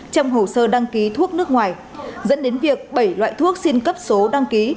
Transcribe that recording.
trong hồ sơ đăng ký thuốc nước ngoài dẫn đến việc bảy loại thuốc xin cấp số đăng ký